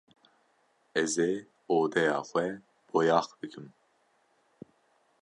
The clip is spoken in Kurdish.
Ez ê odeya xwe boyax bikim.